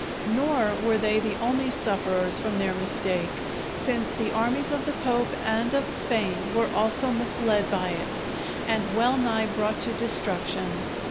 Nor were they the only sufferers from their mistake, since the armies of the Pope and of Spain were also misled by it, and well nigh brought to destruction.